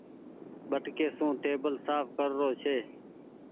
ٻٽڪي سون ٽيبل سآڦ ڪر رو ڇي۔